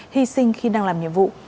hy sinh khi đang làm nhiệm vụ